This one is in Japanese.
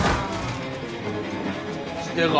知ってるか？